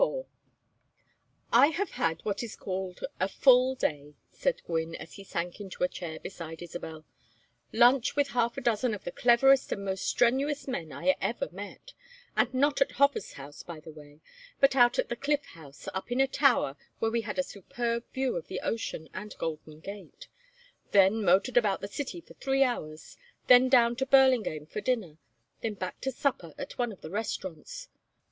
XXIV "I have had what is called a full day," said Gwynne, as he sank into a chair beside Isabel. "Lunch with half a dozen of the cleverest and most strenuous men I ever met and not at Hofer's house, by the way, but out at the Cliff House, up in a tower, where we had a superb view of the ocean and Golden Gate; then motored about the city for three hours, then down to Burlingame for dinner, then back to supper at one of the restaurants.